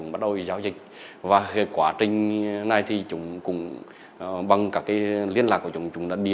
bắt được thì mà không bắt an toàn là